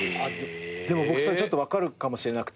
でも僕それちょっと分かるかもしれなくて。